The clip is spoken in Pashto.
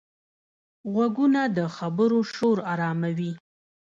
غوږونه د خبرو شور آراموي